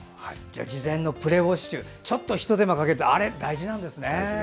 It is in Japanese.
事前のプレウォッシュちょっとひと手間かけるって大事なんですね。